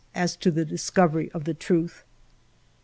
as to the discovery of the truth.